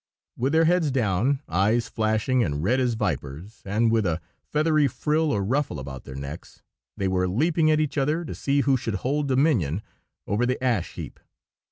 With their heads down, eyes flashing, and red as vipers, and with a feathery frill or ruffle about their necks, they were leaping at each other, to see who should hold dominion over the ash heap.